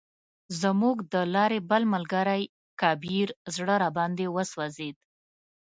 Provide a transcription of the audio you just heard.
زموږ د لارې بل ملګری کبیر زړه راباندې وسوځید.